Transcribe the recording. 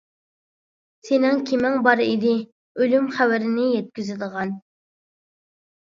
سېنىڭ كىمىڭ بار ئىدى ئۆلۈم خەۋىرىنى يەتكۈزىدىغان؟ !